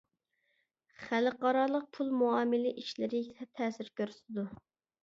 خەلقئارالىق پۇل مۇئامىلە ئىشلىرى تەسىر كۆرسىتىدۇ.